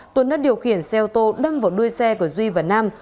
tuấn đã điều khiển xe ô tô đâm vào đuôi xe của duy và nam